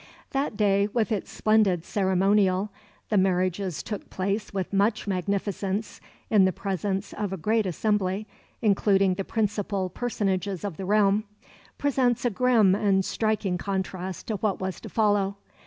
That day, with its splendid ceremonial the marriages took place with much magnificence in the presence of a great assembly, including the principal personages of the realm presents a grim and striking contrast to what was to follow.